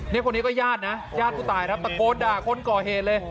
นี่คนนี้ก็ญาตินะญาติผู้ตายครับตะโกนด่าคนก่อเหตุเลย